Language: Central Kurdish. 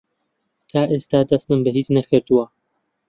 تا ئێستا دەستم بە هیچ نەکردووە.